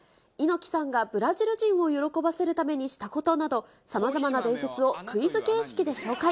猪木さんがブラジル人を喜ばせるためにしたことなど、さまざまな伝説をクイズ形式で紹介。